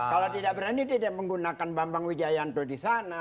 kalau tidak berani tidak menggunakan bambang wijayanto di sana